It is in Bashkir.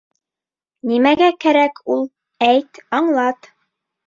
Нимәгә кәрәк ул, әйт, аңлат.